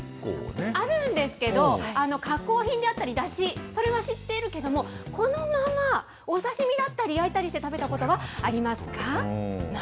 あるんですけど、加工品だったり、だし、それは知っているけれども、このままお刺身だったり、焼いたりして食べたことはありますか？